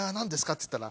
っつったら。